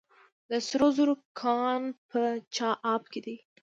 د سرو زرو کان په چاه اب کې دی